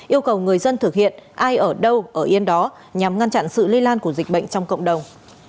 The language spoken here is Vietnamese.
yêu cầu người dân thực hiện ai ở đâu ở yên đó nhằm ngăn chặn sự lây lan của dịch bệnh trong cộng đồng